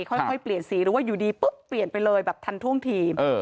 ค่อยเปลี่ยนสีหรือว่าอยู่ดีปุ๊บเปลี่ยนไปเลยแบบทันท่วงทีม